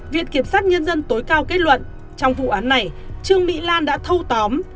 viện kiểm sát nhân dân tối cao kết luận trong vụ án này trương mỹ lan đã thâu tóm